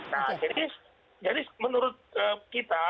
nah jadi menurut kita